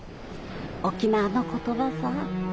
沖縄の言葉さ。